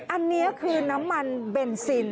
อันนี้คือน้ำมันเบนซิน